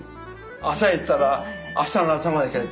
朝行ったら明日の朝まで。